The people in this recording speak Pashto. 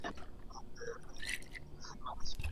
د علماوو د فعالولو پروسه پیل سوي ده.